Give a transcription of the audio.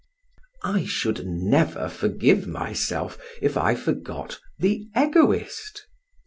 I should never forgive myself if I forgot The Egoist.